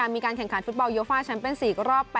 มีการแข่งขันฟุตเบาเยอะฟ้าแชมป์เป็น๔ก็รอบ๘